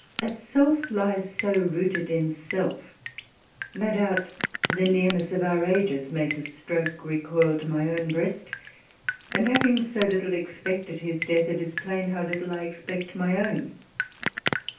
As self lies so rooted in self, no doubt the nearness of our ages made the stroke recoil to niy own breast ; and having so little expected his death, it is plain how little I expect my own.